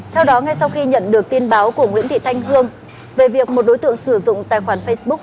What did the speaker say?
theo đó ngay sau khi nhận được tin báo của nguyễn thị thanh hương về việc một đối tượng sử dụng tài khoản facebook